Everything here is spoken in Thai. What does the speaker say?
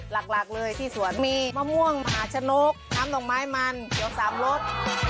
หลักเลยที่สวนมีมะม่วงมหาชนกน้ำดอกไม้มันเขียวสามรส